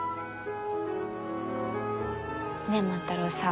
ねえ万太郎さん。